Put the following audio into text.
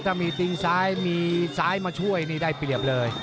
ถ้ามีติงซ้ายมีซ้ายมาช่วยนี่ได้เปรียบเลย